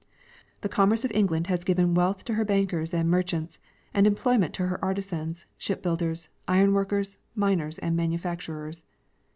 The commerce of England has given wealth to her bankers and merchants, and employment to her artisans, ship builders, iron Avorkers, miners and manufacturers.